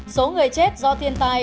số người chết do thiên tai